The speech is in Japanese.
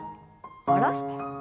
下ろして。